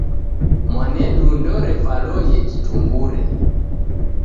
Mwanedu ndorevaloghe kitungure.